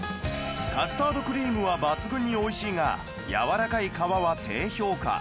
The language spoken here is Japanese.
カスタードクリームは抜群においしいがやわらかい皮は低評価